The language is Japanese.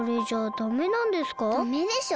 ダメでしょ。